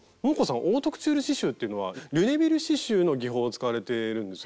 オートクチュール刺しゅうというのはリュネビル刺しゅうの技法を使われているんですよね。